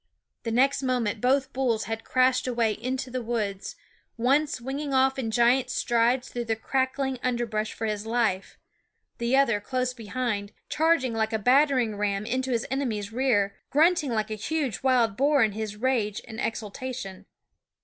The next moment both bulls had crashed away into the woods, one swinging off in giant strides through the crackling under brush for his life, the other close behind, charging like a battering ram into his enemy's rear, grunting like a huge wild boar in his rage and exultation.